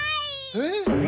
えっ？